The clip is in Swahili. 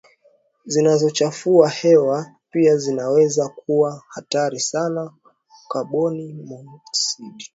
zinazochafua hewa pia zinaweza kuwa hatari sana Kaboni monoksidi